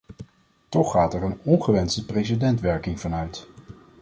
Toch gaat er een ongewenste precedentwerking vanuit.